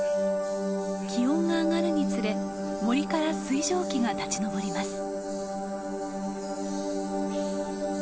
気温が上がるにつれ森から水蒸気が立ちのぼります。